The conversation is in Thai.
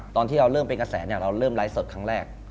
ตอนที่เราเริ่มเป็นกระแสเราเริ่มไลฟ์สดครั้งแรก